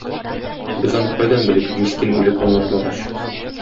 Без аны кайдан белик, мискин үлеп аңлатмагач?!